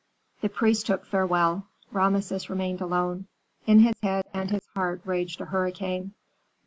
The priest took farewell; Rameses remained alone. In his head and his heart raged a hurricane.